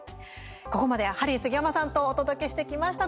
ここまではハリー杉山さんとお届けしてきました。